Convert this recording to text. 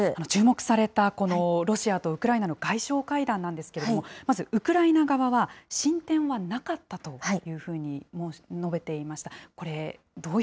注目された、このロシアとウクライナの外相会談なんですけれども、まずウクライナ側は、進展はなかったというふうに述べていました。